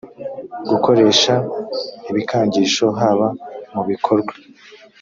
gukoresha ibikangisho haba mu bikorwa